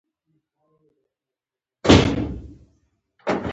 دا کار د فوتو سنتیز د عملیې په واسطه کیږي.